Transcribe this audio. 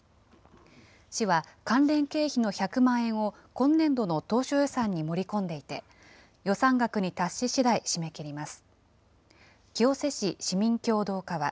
市は関連経費の１００万円を今年度の当初予算に盛り込んでいて、予算額に達ししだい締め切ります。